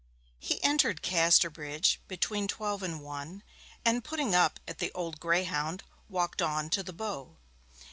He entered Casterbridge between twelve and one, and, putting up at the Old Greyhound, walked on to the Bow.